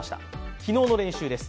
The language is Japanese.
昨日の練習です。